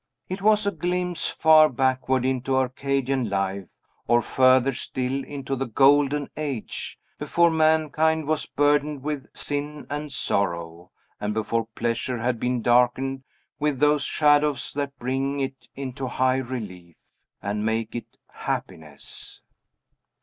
It was a glimpse far backward into Arcadian life, or, further still, into the Golden Age, before mankind was burdened with sin and sorrow, and before pleasure had been darkened with those shadows that bring it into high relief, and make it happiness.